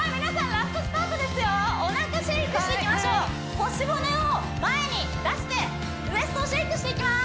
ラストスパートですよおなかシェイクしていきましょう腰骨を前に出してウエストをシェイクしていきます